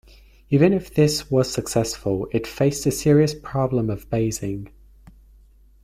Even if this was successful it faced the serious problem of basing.